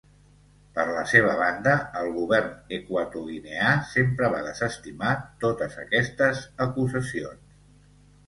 Per la seva banda, el govern equatoguineà sempre va desestimar totes aquestes acusacions.